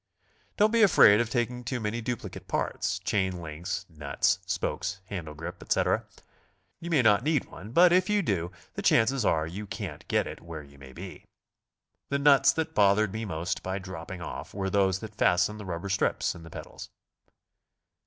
Don't be afraid of taking too many duplicate parts, — chain links, nuts, spokes, handle grip, etc. You Vnay not need one, but if you do the chances are you can't get it where you may be. The nuts that bothered me most by dropping off were those that fasten the rubber strips in the pedals.